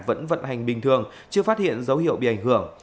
vẫn vận hành bình thường chưa phát hiện dấu hiệu bị ảnh hưởng